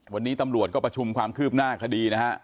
วันนี้ตำรวจก็ประชุมความคืบหน้าคดีนะฮะ